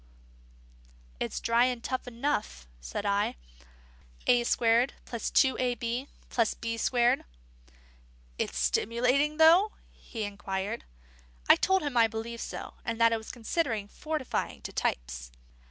"It's dry and tough enough," said I; "a squared + 2ab + b squared." "It's stimulating, though?" he inquired. I told him I believed so, and that it was considered fortifying to Types.